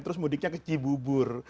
terus mudiknya ke cibubur